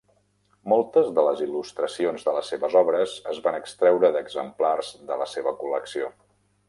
Moltes de les il·lustracions de les seves obres es van extreure d'exemplars de la seva col·lecció.